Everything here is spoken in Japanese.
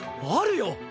あるよ！